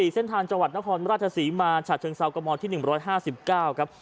เส้นทางจังหวัดนครราชศรีมาฉะเชิงเซากมที่๑๕๙ครับ